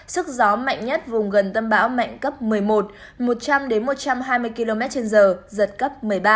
sức gió mạnh nhất vùng gần tâm bão mạnh cấp một mươi một một trăm linh một trăm hai mươi km trên giờ giật cấp một mươi ba